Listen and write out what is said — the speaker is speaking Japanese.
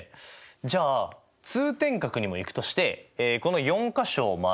じゃあ通天閣にも行くとしてこの４か所を周る順列の総数は。